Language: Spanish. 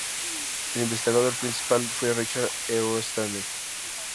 El investigador principal fue Richard E. Rothschild.